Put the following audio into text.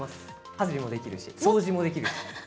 家事もできるし、掃除もできる。